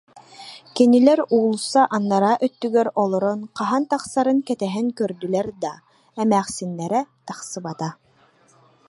Кинилэр уулусса анараа өттүгэр олорон хаһан тахсарын кэтэһэн көрдүлэр да, эмээхсиннэрэ тахсыбата